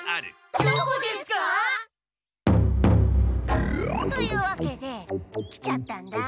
どこですか？というわけで来ちゃったんだ。